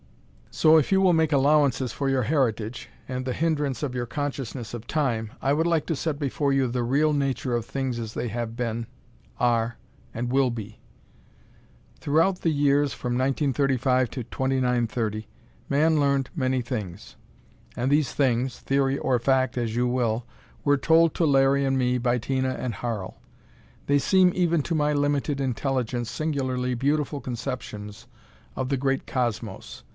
So if you will make allowances for your heritage, and the hindrance of your consciousness of Time, I would like to set before you the real nature of things as they have been, are, and will be. Throughout the years from 1935 to 2930, man learned many things. And these things theory or fact, as you will were told to Larry and me by Tina and Harl. They seem even to my limited intelligence singularly beautiful conceptions of the Great Cosmos.